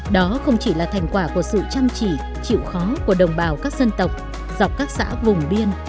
đó không chỉ là thành quả của sự chăm chỉ chịu khó của đồng bào các dân tộc dọc các xã vùng biên